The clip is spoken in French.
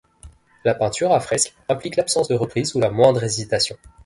La peinture à fresque implique l'absence de reprise ou la moindre hésitation.